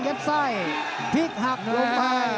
เย็ดไส้พลิกหักลงไป